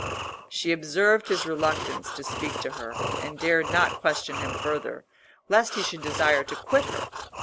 She observed his reluctance to speak to her, and dared not question him further, lest he should desire to quit her.